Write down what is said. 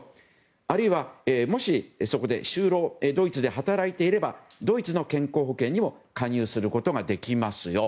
あるいは、もしそこで就労ドイツで働いていればドイツの健康保険にも加入できますよ。